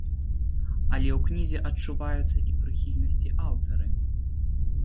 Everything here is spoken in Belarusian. Але ў кнізе адчуваюцца і прыхільнасці аўтары.